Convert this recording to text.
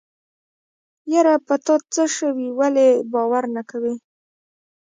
يره په تاڅه شوي ولې باور نه کوې.